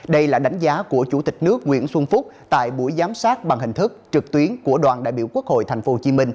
đây là đánh giá của chủ tịch nước nguyễn xuân phúc tại buổi giám sát bằng hình thức trực tuyến của đoàn đại biểu quốc hội tp hcm